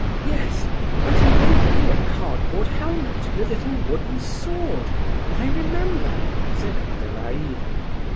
"Yes, and he made me a cardboard helmet, and a little wooden sword—I remember!" said Adelaida.